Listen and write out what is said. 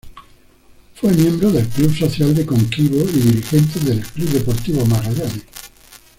Fue miembro del Club Social de Coquimbo y dirigente del Club Deportivo Magallanes.